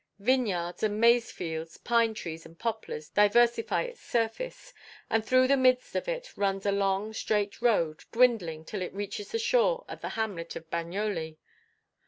Vineyards and maizefields, pine trees and poplars, diversify its surface, and through the midst of it runs a long, straight road, dwindling till it reaches the shore at the hamlet of Bagnoli.